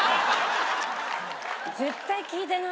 絶対聞いてない。